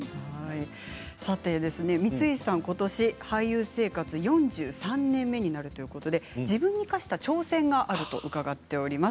光石さんはことし俳優生活４３年目になるということで自分に課した挑戦があると伺っています。